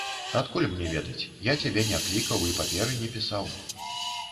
Адкуль мне ведаць, я цябе не клікаў і паперы не пісаў.